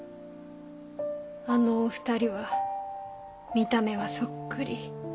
あのお二人は見た目はそっくり。